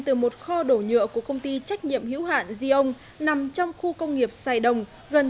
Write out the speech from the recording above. từ một kho đổ nhựa của công ty trách nhiệm hữu hạn ziong nằm trong khu công nghiệp sài đồng gần